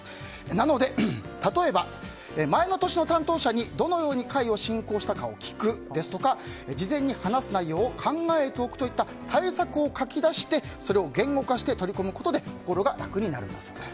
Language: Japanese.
なので、例えば前の年の担当者にどのように会を進行したかを聞くですとか事前に話す内容を考えておくといった対策を書き出してそれを言語化して取り込むことで心が楽になるんだそうです。